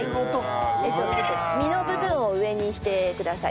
身の部分を上にしてください。